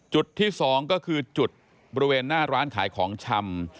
จุดที่๒ก็คือจุดบริเวณหน้าร้านขายของชำ